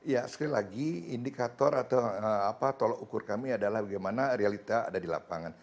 ya sekali lagi indikator atau tolok ukur kami adalah bagaimana realita ada di lapangan